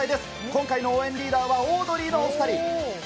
今回の応援リーダーはオードリーのお２人。